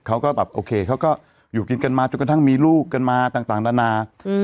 เขาก็แบบโอเคเขาก็อยู่กินกันมาจนกระทั่งมีลูกกันมาต่างนานา